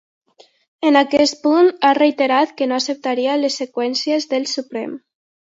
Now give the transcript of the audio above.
En aquest punt, ha reiterat que no acceptaria les sentències del Suprem.